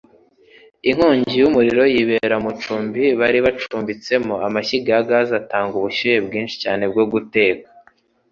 Inkongi y'umuriro yibera mu icumbi bari bacumbitsemo. Amashyiga ya gaz atanga ubushyuhe bwinshi cyane bwo guteka.